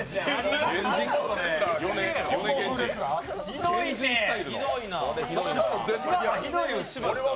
ひどいわ！